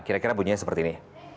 kira kira bunyinya seperti ini